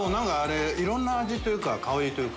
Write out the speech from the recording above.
いろんな味というか香りというか。